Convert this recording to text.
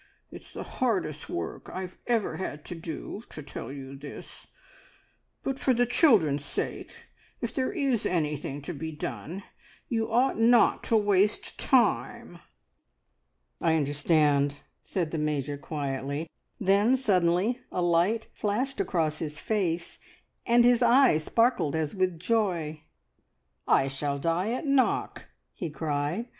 It's the hardest work I've ever had to do, to tell you this; but for the children's sake If there is anything to be done, you ought not to waste time!" "I understand!" said the Major quietly, then suddenly a light flashed across his face, and his eyes sparkled as with joy. "I shall die at Knock!" he cried.